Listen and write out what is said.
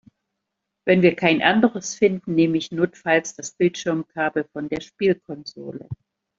Wenn wir kein anderes finden, nehme ich notfalls das Bildschirmkabel von der Spielkonsole.